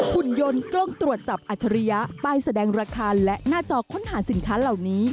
หุ่นยนต์กล้องตรวจจับอัจฉริยะป้ายแสดงราคาและหน้าจอค้นหาสินค้าเหล่านี้